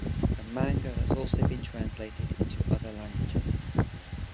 The manga has also been translated into other languages.